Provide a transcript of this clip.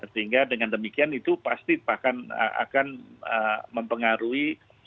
sehingga dengan demikian itu pasti bahkan akan mempengaruhi